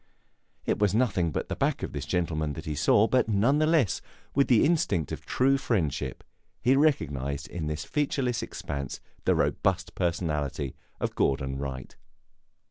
It was nothing but the back of this gentleman that he saw, but nevertheless, with the instinct of true friendship, he recognized in this featureless expanse the robust personality of Gordon Wright.